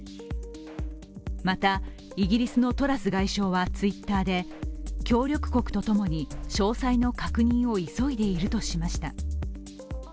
また、イギリスのトラス外相はＴｗｉｔｔｅｒで協力国とともに詳細の確認を急いでいるとしました。